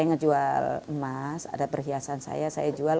emas ada perhiasan saya saya jual